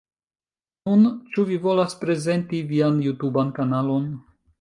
Nun, ĉu vi volas prezenti vian jutuban kanalon?